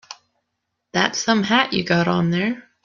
That's some hat you got on there.